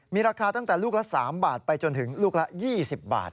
มีราคาตั้งแต่ลูกละ๓บาทไปจนถึงลูกละ๒๐บาท